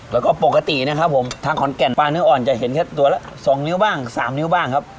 แล้วก็ปกตินะครับผมทางขอนแก่นปลาเนื้ออ่อนจะเห็นแค่ตัวละ๒นิ้วบ้าง๓นิ้วบ้างครับ